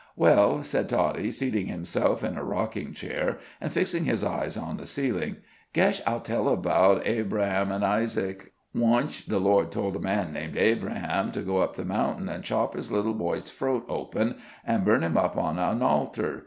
"Well," said Toddie, seating himself in a rocking chair, and fixing his eyes on the ceiling, "guesh I'll tell about AbrahammynIsaac. Onesh the Lord told a man named Abraham to go up the mountain an' chop his little boy's froat open an' burn him up on a naltar.